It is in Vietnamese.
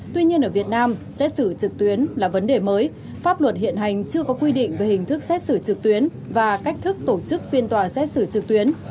tuy nhiên ở việt nam xét xử trực tuyến là vấn đề mới pháp luật hiện hành chưa có quy định về hình thức xét xử trực tuyến và cách thức tổ chức phiên tòa xét xử trực tuyến